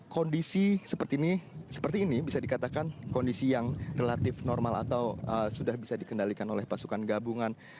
kondisi seperti ini bisa dikatakan kondisi yang relatif normal atau sudah bisa dikendalikan oleh pasukan gabungan